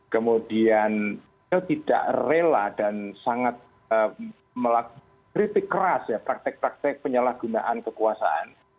kemudian tidak rela dan sangat melakukan kritik keras ya praktek praktek penyalahgunaan kekuasaan